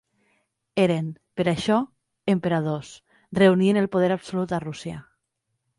Eren, per això, emperadors, reunien el poder absolut a Rússia.